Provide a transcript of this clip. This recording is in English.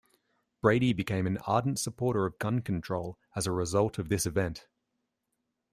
Brady became an ardent supporter of gun control as a result of this event.